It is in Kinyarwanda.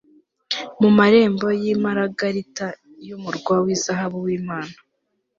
mu marembo yimaragarita yumurwa wizahabu wImana